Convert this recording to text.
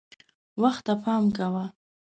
وخت ته پام کوه .